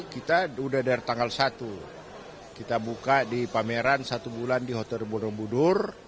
kita udah dari tanggal satu kita buka di pameran satu bulan di hotel borobudur